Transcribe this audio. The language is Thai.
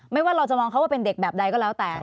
ว่าเราจะมองเขาว่าเป็นเด็กแบบใดก็แล้วแต่